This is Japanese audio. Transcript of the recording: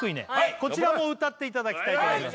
こちらも歌っていただきたいと思います